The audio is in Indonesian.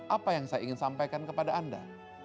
apa yang saya ingin sampaikan kepada anda